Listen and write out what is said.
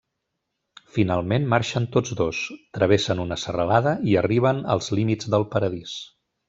Finalment, marxen tots dos: travessen una serralada i arriben als límits del Paradís.